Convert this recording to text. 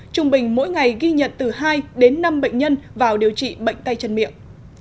trung bình mỗi ngày ghi nhận từ hai đến năm bệnh nhân vào điều trị bệnh tay chân miệng